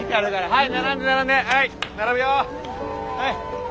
はい！